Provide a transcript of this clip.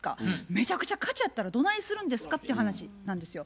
めちゃくちゃ価値あったらどないするんですかっていう話なんですよ。